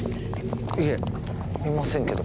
いえいませんけど。